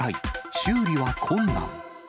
修理は困難。